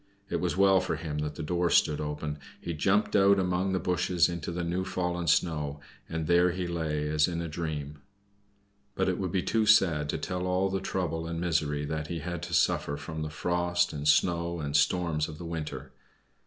It was well for him that the door stood open. He jumped out among the bushes into the new fallen snow, and there he lay as in a dream. But it would be too sad to tell all the trouble and misery that he had to suffer from the frost, and snow and storms of the winter.